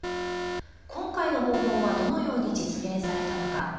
今回の訪問はどのように実現されたのか。